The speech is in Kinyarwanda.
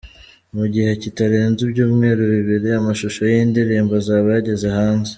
Mu gihe kitarenze ibyumweru bibiri, amashusho y’iyi ndirimbo azaba yageze hanze.